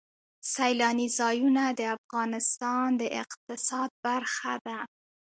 سیلانی ځایونه د افغانستان د اقتصاد برخه ده.